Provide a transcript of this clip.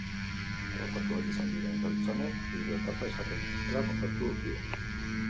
Adoptatuak izan diren pertsonek hiru etapa izaten dituztela kontatu digu.